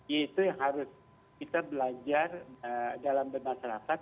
itu yang harus kita belajar dalam bermasyarakat